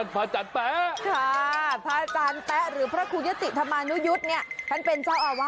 พระอาจารย์พระอาจารย์แปะ